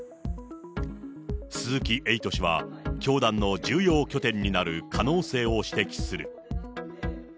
鈴木エイト氏は、教団の重要拠点になる可能性を指摘する。